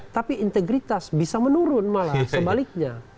tapi integritas bisa menurun malah sebaliknya